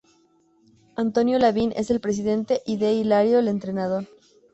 Antonio Lavín es el presidente y D. Hilario el entrenador.